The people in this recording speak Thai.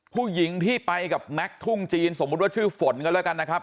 ผู้หญิงที่ไปกับแม็กซ์ทุ่งจีนสมมุติว่าชื่อฝนกันแล้วกันนะครับ